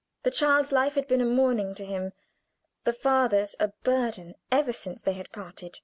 The child's life had been a mourning to him, the father's a burden, ever since they had parted.